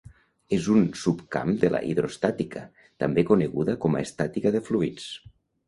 És un subcamp de la hidroestàtica, també coneguda com a estàtica de fluids.